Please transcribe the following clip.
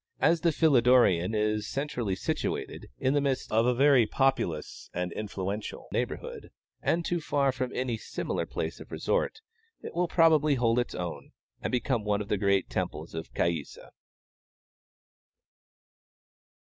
As the Philidorean is centrally situated, in the midst of a very populous and influential neighborhood, and too far from any similar place of resort, it will probably hold its own, and become one of the great temples of Caïssa.